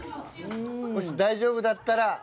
もし大丈夫だったら。